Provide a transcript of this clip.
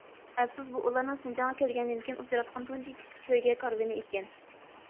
ئەپسۇس، بۇ ئۇلارنىڭ شىنجاڭغا كەلگەندىن كېيىن ئۇچراتقان تۇنجى تۆگە كارۋىنى ئىكەن.